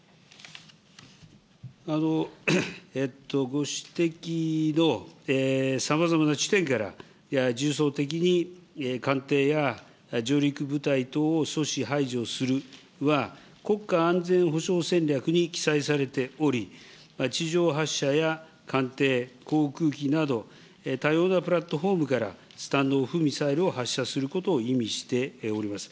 ご指摘のさまざまな地点から、重層的に艦艇や上陸部隊等を阻止、排除するは国家安全保障戦略に記載されており、地上発射や艦艇、航空機など多様なプラットホームからスタンド・オフ・ミサイルを発射することを意味しております。